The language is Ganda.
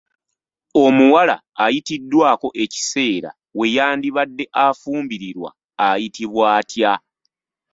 Omuwala ayitiddwako ekiseera we yandibadde afumbirirwa ayitibwa atya?